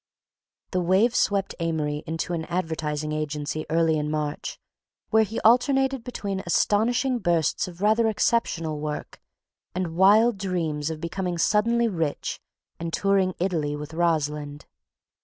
The wave swept Amory into an advertising agency early in March, where he alternated between astonishing bursts of rather exceptional work and wild dreams of becoming suddenly rich and touring Italy with Rosalind.